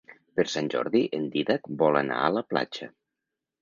Per Sant Jordi en Dídac vol anar a la platja.